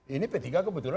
ini p tiga kebetulan